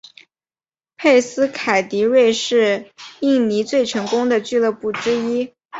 佩斯凯迪瑞是印尼最成功的俱乐部之一。